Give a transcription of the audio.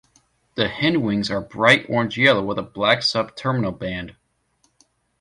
The hindwings are bright orange-yellow with a black sub-terminal band.